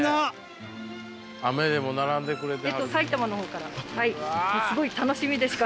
雨でも並んでくれてはる。